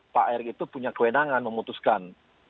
pak erik itu punya kewenangan memutuskan